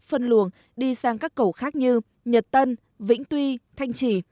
phân luồng đi sang các cầu khác như nhật tân vĩnh tuy thanh trì